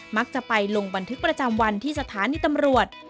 มักจะไปลงบันทึกประจำวันที่สถานีตำรวจ